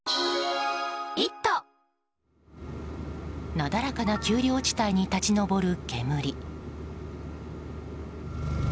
なだらかな丘陵地帯に立ち上る煙。